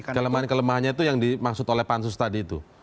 kelemahan kelemahannya itu yang dimaksud oleh pansus tadi itu